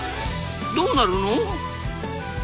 どうなるの？